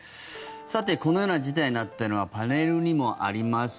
このような事態になったのはパネルにもあります